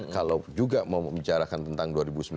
kalau juga membicarakan tentang dua ribu sembilan belas